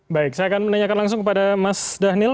baik saya akan menanyakan langsung kepada mas dhanil